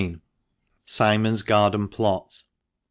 — SIMON'S GARDEN PLOT.